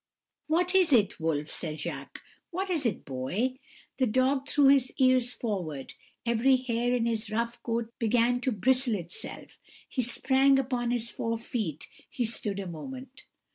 "'What is it, Wolf?' said Jacques: 'what is it, boy?' "The dog drew his ears forward, every hair in his rough coat began to bristle itself; he sprang upon his four feet he stood a moment.